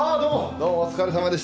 どうもお疲れさまでした。